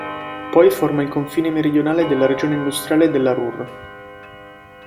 Poi forma il confine meridionale della regione industriale della Ruhr.